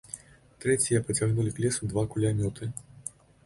Трэція пацягнулі к лесу два кулямёты.